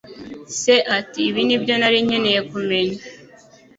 Se ati: "Ibi nibyo nari nkeneye kumenya".